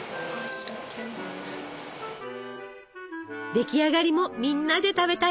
出来上がりもみんなで食べたい！